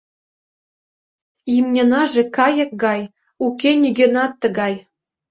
Имньынаже кайык гай, уке нигöнат тыгай.